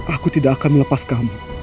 aku tidak akan melepas kamu